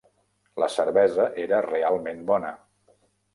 La cervesa era realment bona.